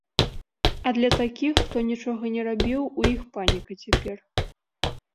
А для такіх, хто нічога не рабіў, у іх паніка цяпер.